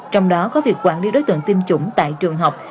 trong đó có việc quản lý đối tượng tiêm chủng tại trường học